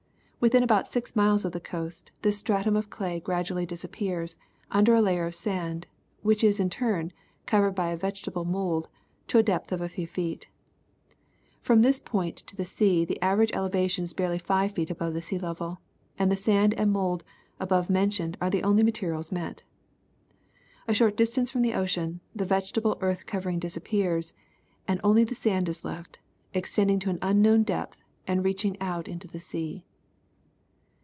Within about six miles of the coast this stratum of clay gradually disap pears under a layer of sand, which is in turn covered, by a vege table mould, to a depth of a few feet. From this point to the sea the average elevation is barely five feet above the sea level, and the sand and mould above mentioned are the only materials met. A short distance from the ocean the vegetable earth covering disappears and only the sand is left, extending to an unknown depth and reaching out into the sea.